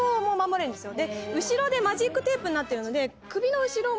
後ろでマジックテープになってるので。